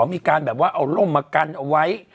มีการแบบว่าเอาร่มมากันเอาไว้